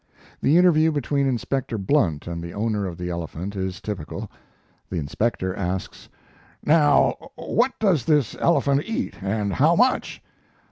The interview between Inspector Blunt and the owner of the elephant is typical. The inspector asks: "Now what does this elephant eat, and how much?"